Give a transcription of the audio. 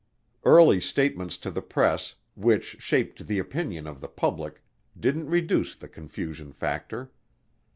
Early statements to the press, which shaped the opinion of the public, didn't reduce the confusion factor.